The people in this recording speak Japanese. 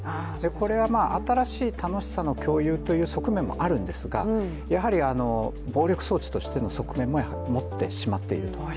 これは新しい楽しさの共有という側面もあるんですがやはり暴力装置としての側面も持ってしまっていると。